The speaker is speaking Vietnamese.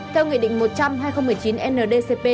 theo nghị định một trăm linh hai nghìn một mươi chín ndcp